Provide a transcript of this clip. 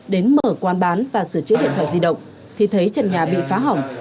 đến mở quan bán và sửa chữ điện thoại di động thì thấy trật nhà bị phá hỏng